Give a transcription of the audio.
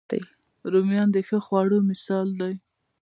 رومیان د ښه خواړه مثال دي